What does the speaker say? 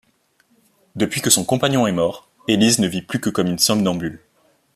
Depuis que son compagnon est mort, Élise ne vit plus que comme une somnambule.